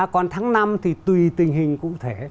còn tháng năm thì tùy tình hình cụ thể